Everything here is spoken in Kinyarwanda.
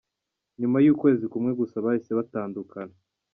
Nyuma y’ukwezi kumwe gusa bahise batandukana.